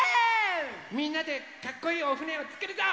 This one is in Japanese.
みんなでかっこいいおふねをつくるぞ！